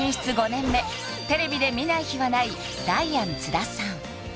５年目テレビで見ない日はないダイアン・津田さん